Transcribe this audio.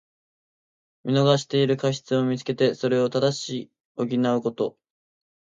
見逃している過失をみつけて、それを正し補うこと。